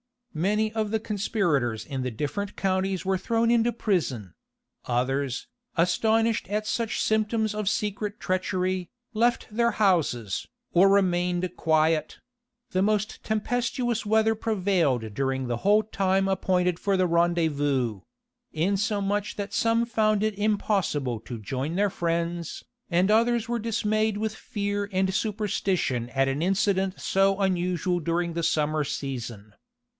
Many of the conspirators in the different counties were thrown into prison: others, astonished at such symptoms of secret treachery, left their houses, or remained quiet: the most tempestuous weather prevailed during the whole time appointed for the rendezvouses; insomuch that some found it impossible to join their friends, and others were dismayed with fear and superstition at an incident so unusual during the summer season.